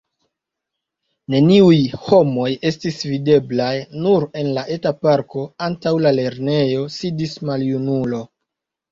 Neniuj homoj estis videblaj, nur en la eta parko, antaŭ la lernejo, sidis maljunulo.